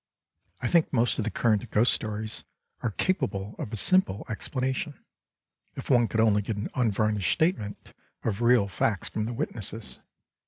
I think most of the current ghost stories are capable of a simple explanation, if one could only get an unvarnished statement of real facts from the witnesses.